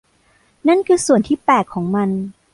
นั่นคือส่วนที่แปลกของมัน